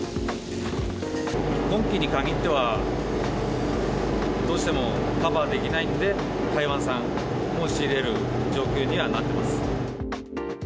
今期に限っては、どうしてもカバーできないんで、台湾産を仕入れる状況にはなってます。